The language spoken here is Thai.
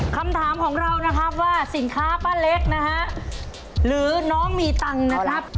คำถามของเรานะครับว่าสินค้าป้าเล็กนะฮะหรือน้องมีตังค์นะครับ